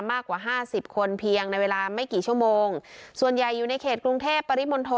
มากกว่าห้าสิบคนเพียงในเวลาไม่กี่ชั่วโมงส่วนใหญ่อยู่ในเขตกรุงเทพปริมณฑล